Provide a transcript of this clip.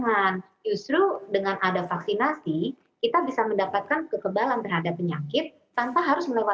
karena justru dengan ada vaksinasi kita bisa mendapatkan kekebalan terhadap penyakit tanpa harus menawarkan